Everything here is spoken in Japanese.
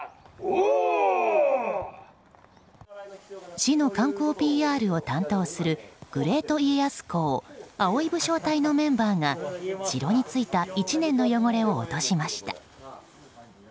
市の観光ＰＲを担当するグレート家康公「葵」武将隊のメンバーが城についた１年の汚れを落としました。